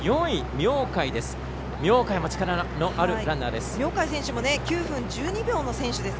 明貝のある力のあるランナーです。